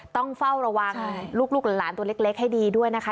ต้องเฝ้าระวังลูกหลานตัวเล็กให้ดีด้วยนะคะ